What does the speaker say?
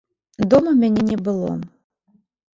Дома мяне не было.